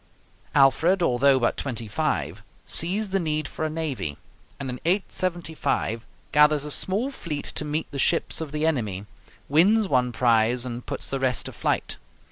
Alfred, although but twenty five, sees the need for a navy, and in 875 gathers a small fleet to meet the ships of the enemy, wins one prize, and puts the rest to flight.